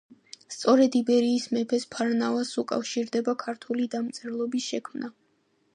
სწორედ იბერიის მეფეს ფარნავაზს უკავშირდება ქართული დამწერლობის შექმნა.